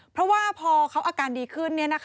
เพราะว่าพอเขาอาการดีขึ้น